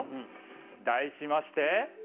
題しまして。